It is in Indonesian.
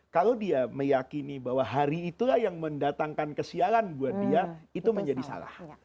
kalau dia meyakini bahwa hari itulah yang mendatangkan kesialan buat dia itu menjadi salah